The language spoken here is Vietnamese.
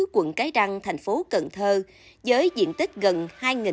quận cái răng thành phố cần thơ với diện tích gần hai m hai gồm bốn hạng mục